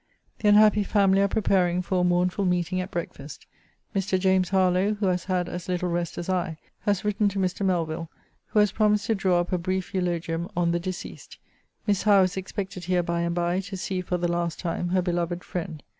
The unhappy family are preparing for a mournful meeting at breakfast. Mr. James Harlowe, who has had as little rest as I, has written to Mr. Melvill, who has promised to draw up a brief eulogium on the deceased. Miss Howe is expected here by and by, to see, for the last time, her beloved friend.